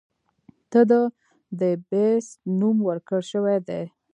ته د “The Beast” نوم ورکړے شوے دے.